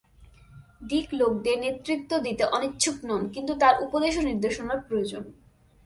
ডিক লোকেদের নেতৃত্ব দিতে অনিচ্ছুক নন কিন্তু তার উপদেশ ও নির্দেশনার প্রয়োজন।